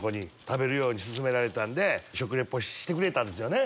食べるように勧められたんで食リポしてくれたんですよ。